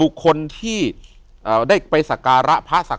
อยู่ที่แม่ศรีวิรัยิลครับ